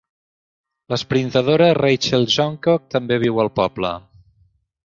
L'esprintadora Rachel Johncock també viu al poble.